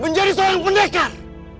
menjadi seorang pendekar